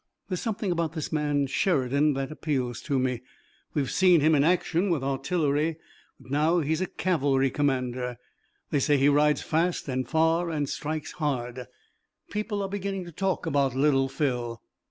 There's something about this man Sheridan that appeals to me. We've seen him in action with artillery, but now he's a cavalry commander. They say he rides fast and far and strikes hard. People are beginning to talk about Little Phil.